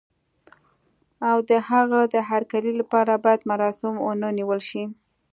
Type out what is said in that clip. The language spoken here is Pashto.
او د هغه د هرکلي لپاره باید مراسم ونه نیول شي.